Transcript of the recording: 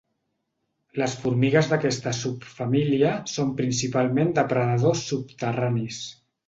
Les formigues d'aquesta subfamília són principalment depredadors subterranis.